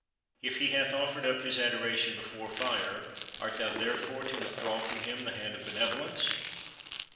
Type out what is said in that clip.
If he hath offered up his adoration before Fire, art thou therefore to withdraw from him the hand of benevolence?